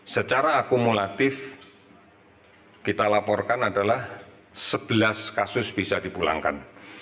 secara akumulatif kita laporkan adalah sebelas kasus bisa dipulangkan